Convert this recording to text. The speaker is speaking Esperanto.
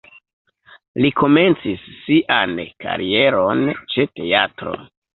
Li komencis sian karieron ĉe teatro.